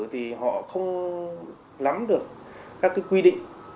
thì họ không lắm được các quy định